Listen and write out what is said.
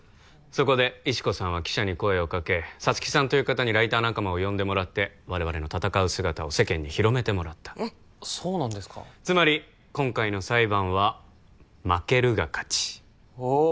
そこで石子さんは記者に声をかけ沙月さんという方にライター仲間を呼んでもらって我々の戦う姿を世間に広めてもらったそうなんですかつまり今回の裁判は負けるが勝ちおお